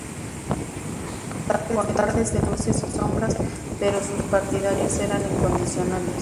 Con tardes de luces y sombras, pero sus partidarios eran incondicionales.